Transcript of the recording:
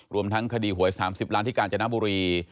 รวมทั้งคดีหวย๓๐ล้านที่กาญจนบุรี